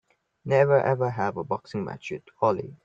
Never ever have a boxing match with Ali!